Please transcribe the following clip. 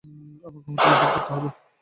আমাকে হোটেলে ফোন করতে হবে।